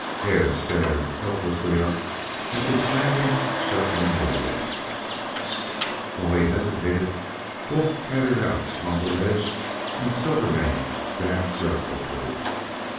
Hare stared helplessly up at the slanting shut in walls. While he hesitated Wolf pattered out upon the ledge and Silvermane stamped restlessly.